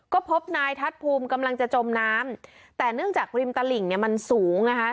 ก็พบนายทัศน์ภูมิกำลังจะจมน้ำแต่เนื่องจากริมตลิ่งเนี่ยมันสูงนะคะ